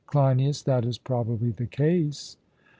CLEINIAS: That is probably the case.